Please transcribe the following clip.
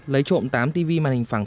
lấy trộm tám tv màn hình phẳng